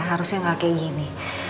harusnya gak kayak gini